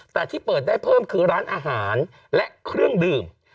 แต่ที่เปิดได้เพิ่มคือร้านอาหารและเครื่องดื่ม